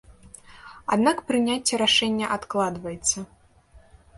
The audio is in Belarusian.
Аднак прыняцце рашэння адкладваецца.